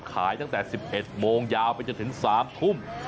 ขายตั้งแต่๑๑โมงยาวไปจนถึง๓ทุ่ม